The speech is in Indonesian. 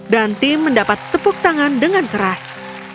dan tim mendapat tepuk tangan dengan keras